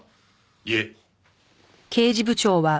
いえ。